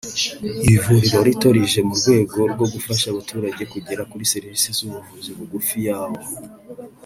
iri vuriro rito rije mu rwego rwo gufasha abaturage kugera kuri serivisi z’ubuvuzi bugufi yabo